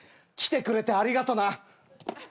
来てくれてありがとな。